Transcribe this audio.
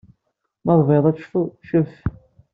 Ma tebɣiḍ ad tɛummeḍ, ɛumm.